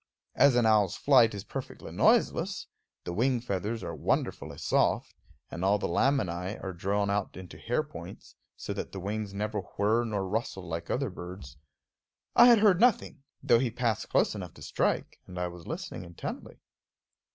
As an owl's flight is perfectly noiseless (the wing feathers are wonderfully soft, and all the laminæ are drawn out into hair points, so that the wings never whirr nor rustle like other birds') I had heard nothing, though he passed close enough to strike, and I was listening intently.